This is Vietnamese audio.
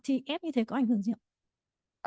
thì ép như thế có ảnh hưởng gì ạ